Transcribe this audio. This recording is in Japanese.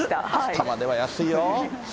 たまでは安いよ。